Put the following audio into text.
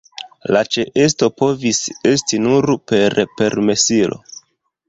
La ĉeesto povis esti nur per permesilo.